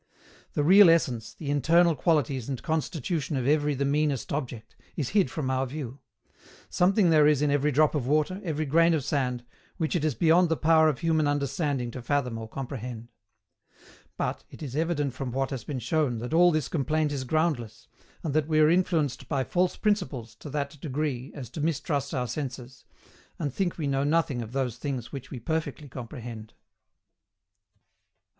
The real essence, the internal qualities and constitution of every the meanest object, is hid from our view; something there is in every drop of water, every grain of sand, which it is beyond the power of human understanding to fathom or comprehend. But, it is evident from what has been shown that all this complaint is groundless, and that we are influenced by false principles to that degree as to mistrust our senses, and think we know nothing of those things which we perfectly comprehend. 102.